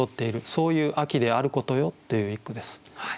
そういう秋であることよという一句です。